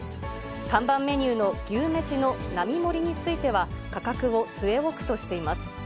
看板メニューの牛めしの並盛については、価格を据え置くとしています。